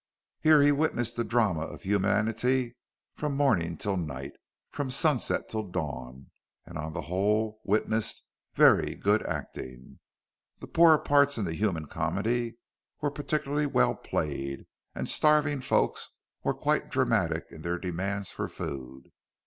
Here he witnessed the drama of humanity from morning till night, and from sunset till dawn, and on the whole witnessed very good acting. The poorer parts in the human comedy were particularly well played, and starving folks were quite dramatic in their demands for food.